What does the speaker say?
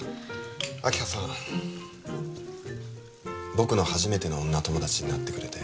僕の初めての女友達になってくれて